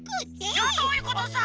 じゃあどういうことさ！